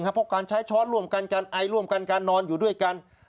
เพราะการใช้ช้อนร่วมกันการไอร่วมกันการนอนอยู่ด้วยกัน